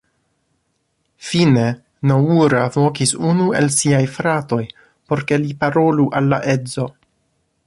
Fine, Noura vokis unu el siaj fratoj, por ke li parolu al la edzo.